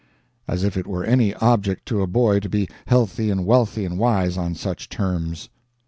As if it were any object to a boy to be healthy and wealthy and wise on such terms.